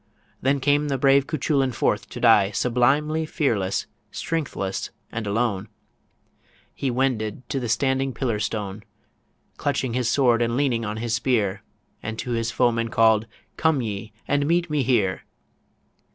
Then came the brave Cuchullin forth to die, Sublimely fearless, strengthless and alone ... He wended to the standing pillar stone, Clutching his sword and leaning on his spear, And to his foemen called, "Come ye, and meet me here."